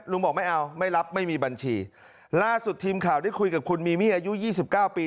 บอกไม่เอาไม่รับไม่มีบัญชีล่าสุดทีมข่าวได้คุยกับคุณมีมี่อายุยี่สิบเก้าปี